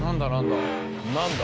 ・何だ？